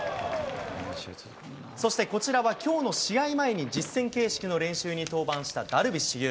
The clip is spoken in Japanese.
そしてこちらは、きょうの試合前に実戦形式の練習に登板したダルビッシュ有。